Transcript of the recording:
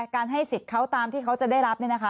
การให้สิทธิ์เขาตามที่เขาจะได้รับเนี่ยนะคะ